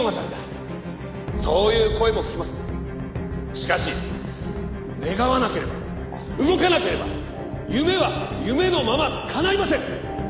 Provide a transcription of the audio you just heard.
「しかし願わなければ動かなければ夢は夢のままかないません！」